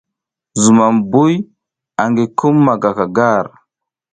Zumam buy angi kum ma gaka gar.